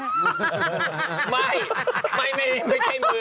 ไม่ไม่ใช่เหมือน